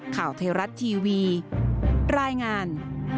ข่าวไทยรัฐทีวีรายงาน